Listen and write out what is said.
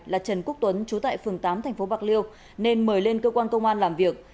là trần quốc tuấn chú tại phường tám tp bạc liêu nên mời lên cơ quan công an làm việc